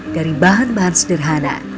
dari bahan bahan sederhana